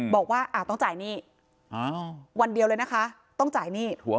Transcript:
บอกว่าต้องจ่ายหนี้วันเดียวเลยนะคะต้องจ่ายหนี้